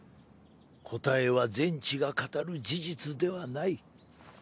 答えは全知が語る事実ではない。